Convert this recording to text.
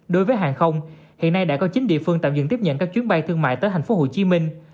đối với hàng không hiện nay đã có chín địa phương tạm dừng tiếp nhận các chuyến bay thương mại tới thành phố hồ chí minh